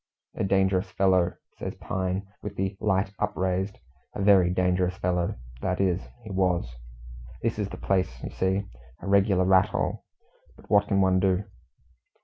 "A dangerous fellow," says Pine, with the light upraised. "A very dangerous fellow that is, he was. This is the place, you see a regular rat hole; but what can one do?"